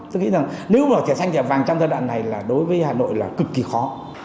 tôi nghĩ là nếu mà trẻ sanh trẻ vàng trong giai đoạn này là đối với hà nội là cực kỳ khó